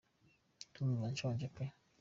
Ndumva nshonje pee!